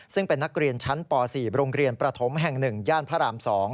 ซึ่งเป็นนักเรียนชั้นป๔โรงเรียนประถมแห่ง๑ย่านพระราม๒